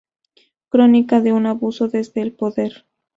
Crónica de un abuso desde el poder.